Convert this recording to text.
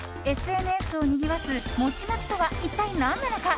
ＳＮＳをにぎわすもちもちとは一体何なのか。